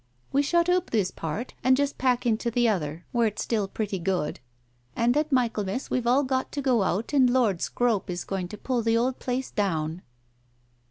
We shut oop this part, and just pack into the other, where it's still pretty good, and at Michaelmas we've all got to go out and Lord Scrope is going to pull the old place down."